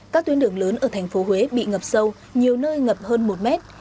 các tuyến đường lớn ở thành phố huế bị ngập sâu nhiều nơi ngập hơn một mét